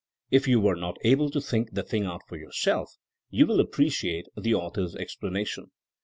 If you were not able to think the thing out for yourself you will appreciate the author's explanation.